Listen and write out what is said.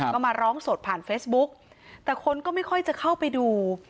ก็มาร้องสดผ่านเฟซบุ๊กแต่คนก็ไม่ค่อยจะเข้าไปดู